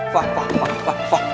fah fah fah fah fah